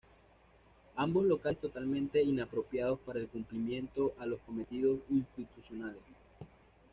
Ambos locales totalmente inapropiados para el cumplimiento a los cometidos institucionales.